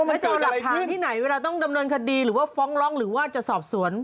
ไม่เจอหลักฐานที่ไหนเวลาต้องดำเนินคดีหรือว่าฟ้องร้องหรือว่าจะสอบสวน